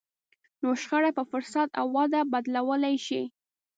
نو شخړه په فرصت او وده بدلولای شئ.